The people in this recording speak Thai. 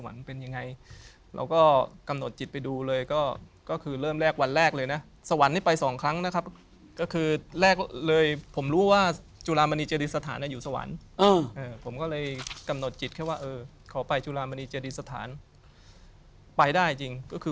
เราก็จะรู้สึกได้ว่ามีคนมาหาเราที่ประตู